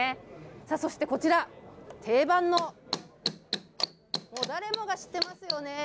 さあそして、こちら、定番の、誰もが知ってますよね。